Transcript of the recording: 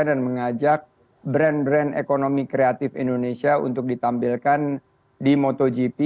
dan mengajak brand brand ekonomi kreatif indonesia untuk ditampilkan di motogp